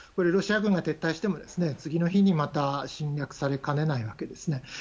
ロシア軍が撤退しても次の日に侵略されかねないわけです。